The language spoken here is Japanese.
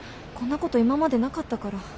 こんなこと今までなかったから。